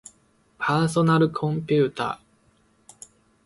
パーソナルコンピューター